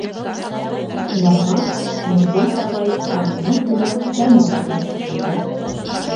Уларға Нургөл апай һәм уның улы Данил да килеп ҡушылды.